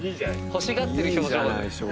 欲しがってる表情だよ。